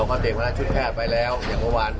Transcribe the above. ขออนุมัติขออนุมัติขออนุมัติ